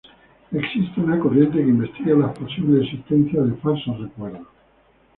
Existe una corriente que investiga la posible existencia de falsos recuerdos.